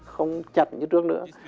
không chặt như trước nữa